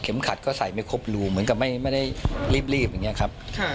ขัดก็ใส่ไม่ครบรูเหมือนกับไม่ได้รีบอย่างนี้ครับ